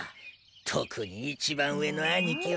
特に一番上の兄貴は。